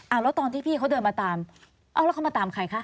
เอาแล้วตอนที่พี่เขาเดินมาตามเอ้าแล้วเขามาตามใครคะ